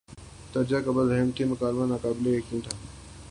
تحریر قابل رحم تھی اور مکالمہ ناقابل یقین تھا